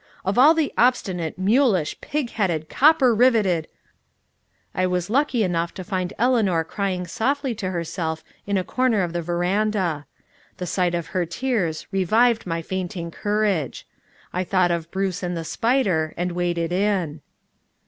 Of all obstinate, mulish, pig headed, copper riveted I was lucky enough to find Eleanor crying softly to herself in a corner of the veranda. The sight of her tears revived my fainting courage. I thought of Bruce and the spider, and waded in.